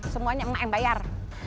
semuanya emak yang bayar